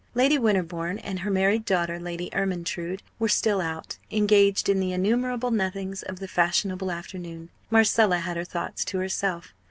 Lady Winterbourne and her married daughter, Lady Ermyntrude, were still out, engaged in the innumerable nothings of the fashionable afternoon. Marcella had her thoughts to herself.